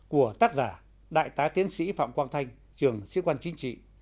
của tác giả đại tá tiến sĩ phạm quang thanh trường sĩ quan chính trị